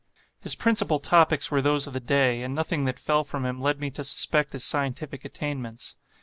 His principal topics were those of the day; and nothing that fell from him led me to suspect his scientific attainments.